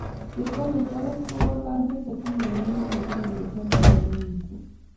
chepto nenyon ko kelach jacketit nenyinet ne birir ne chame inendet mising